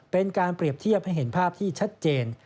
เป็นการเปรียบเทียบให้เห็นภาพที่ชัดเจน